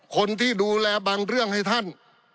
คนที่ดูแลบางเรื่องให้ท่าน